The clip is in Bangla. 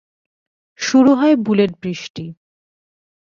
শুরু হয়ে বুলেট-বৃষ্টি।